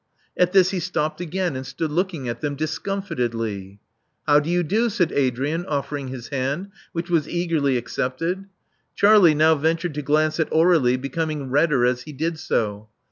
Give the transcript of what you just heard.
At this he stopped again, and stood looking at them discomfitedly. How do you do?" said Adrian, offering his hand, which was eagerly accepted. Charlie now ventured to glance at Aur^lie, becoming redder as he did so.